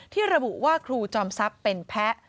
ระบุว่าครูจอมทรัพย์เป็นแพ้